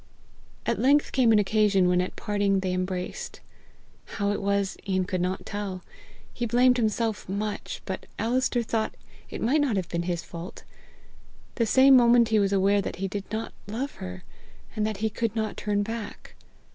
At length came an occasion when at parting they embraced. How it was Ian could not tell. He blamed himself much, but Alister thought it might not have been his fault. The same moment he was aware that he did not love her and that he could not turn back.